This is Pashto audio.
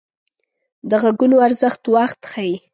د غږونو ارزښت وخت ښيي